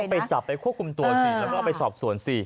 ก็ลงไปจับไปควบคุมตัวสิแล้วก็ไปสอบส่วนสิ